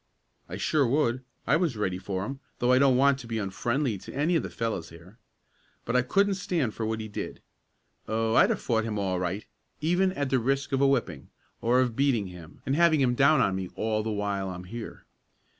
"I sure would. I was ready for him, though I don't want to be unfriendly to any of the fellows here. But I couldn't stand for what he did. Oh, I'd have fought him all right, even at the risk of a whipping, or of beating him, and having him down on me all the while I'm here."